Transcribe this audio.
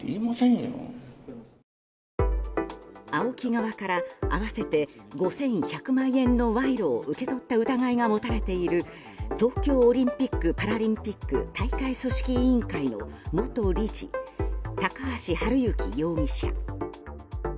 ＡＯＫＩ側から合わせて５１００万円の賄賂を受け取った疑いが持たれている東京オリンピック・パラリンピック大会組織委員会の元理事、高橋治之容疑者。